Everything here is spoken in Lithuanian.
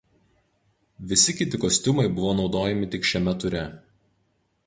Visi kiti kostiumai buvo naudoti tik šiame ture.